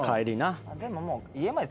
でももう。